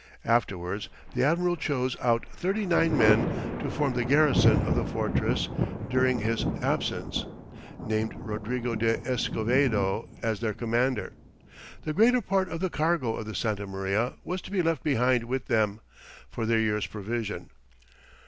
Afterwards the admiral chose out thirty nine men to form the garrison of the fortress during his absence, naming Rodrigo de Escovedo as their commander. The greater part of the cargo of the Santa Maria was to be left behind with them, for their year's provision.